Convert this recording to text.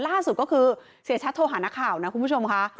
ล่าสุดก็คือเสียชัดโทรหานักข่าวนะคุณผู้ชมค่ะ